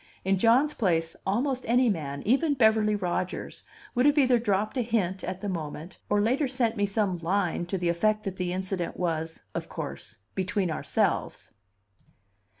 In John's place almost any man, even Beverly Rodgers, would have either dropped a hint at the moment, or later sent me some line to the effect that the incident was, of course, "between ourselves."